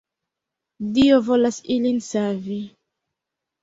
Dio volas ilin savi.